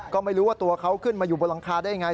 ก็ไม่รู้ว่าตัวเขาขึ้นมาอยู่บนหลังคาได้ยังไง